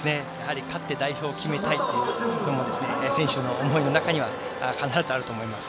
やはり勝って代表を決めたいという選手の思いの中には必ずあると思います。